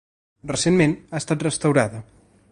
Recentment ha estat restaurada.